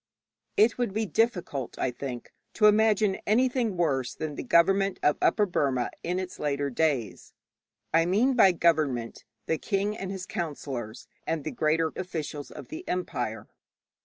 _ It would be difficult, I think, to imagine anything worse than the government of Upper Burma in its later days. I mean by 'government' the king and his counsellors and the greater officials of the empire.